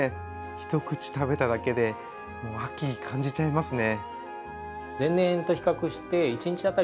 一口食べただけで、もう秋、感じちゃいますね。